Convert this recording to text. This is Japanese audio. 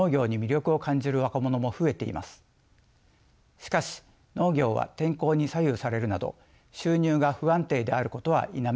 しかし農業は天候に左右されるなど収入が不安定であることは否めません。